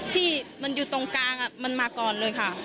ที่มันอยู่ตรงกลางมันมาก่อนเลยค่ะ